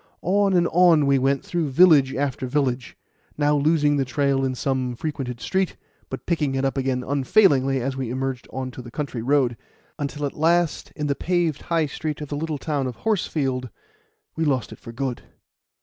On and on we went through village after village, now losing the trail in some frequented street, but picking it up again unfailingly as we emerged on to the country road, until at last, in the paved High Street of the little town of Horsefield, we lost it for good.